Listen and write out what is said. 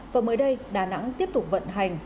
và mới đây đà nẵng tiếp tục vận hành